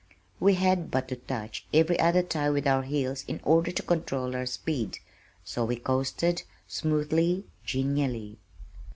We had but to touch every other tie with our heels in order to control our speed, so we coasted, smoothly, genially.